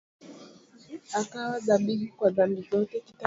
Akawa dhabihu kwa dhambi zote